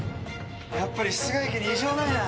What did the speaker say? やっぱり室外機に異常ないな。